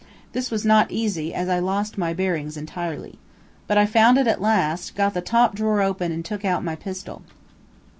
This was not easy, as I lost my bearings entirely. But I found it at last, got the top drawer open and took out my pistol.